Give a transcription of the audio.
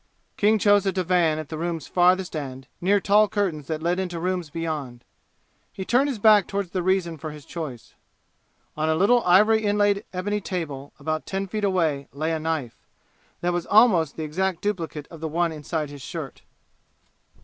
King chose a divan at the room's farthest end, near tall curtains that led into rooms beyond. He turned his back toward the reason for his choice. On a little ivory inlaid ebony table about ten feet away lay a knife, that was almost the exact duplicate of the one inside his shirt.